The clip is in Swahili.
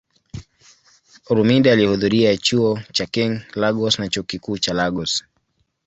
Olumide alihudhuria Chuo cha King, Lagos na Chuo Kikuu cha Lagos.